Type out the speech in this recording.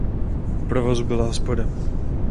V provozu byla hospoda.